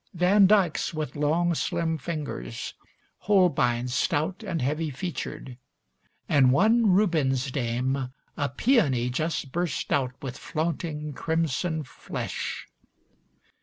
Van Dykes with long, slim fingers; Holbeins, stout And heavy featured; and one Rubens dame, A peony just burst out, With flaunting, crimson flesh.